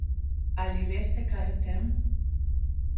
Ali veste kaj o tem?